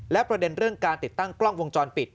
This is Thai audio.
และประเด็นเรื่องการติดตั้งกล้องวงจรปิด